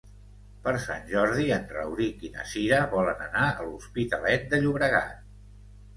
Per Sant Jordi en Rauric i na Cira volen anar a l'Hospitalet de Llobregat.